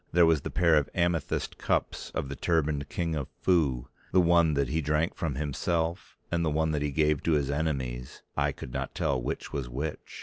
There was the pair of amethyst cups of the turbaned King of Foo, the one that he drank from himself, and the one that he gave to his enemies, eye could not tell which was which.